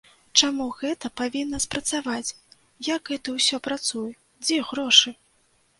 Чаму гэта павінна спрацаваць, як гэта ўсё працуе, дзе грошы?